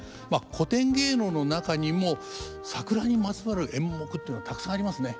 古典芸能の中にも桜にまつわる演目っていうのたくさんありますね。